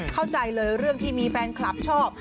เข้าใจเลยเรื่องที่มีแฟนคลับชอบ